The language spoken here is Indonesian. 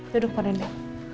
duduk pak renda